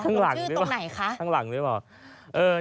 ตรงชื่อตรงไหนคะทั้งหลังหรือเปล่าทั้งหลังหรือเปล่า